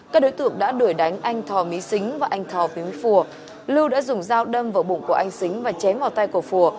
các đối tượng đã đuổi đánh anh thò mỹ xính và anh thò viếng phùa lưu đã dùng dao đâm vào bụng của anh xính và chém vào tay của phùa